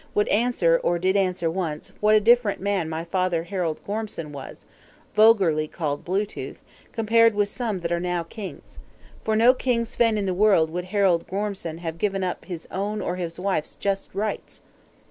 would answer, or did answer once, "What a different man my father Harald Gormson was [vulgarly called Blue tooth], compared with some that are now kings! For no King Svein in the world would Harald Gormson have given up his own or his wife's just rights!"